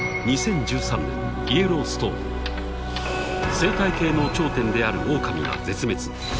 ［生態系の頂点であるオオカミが絶滅］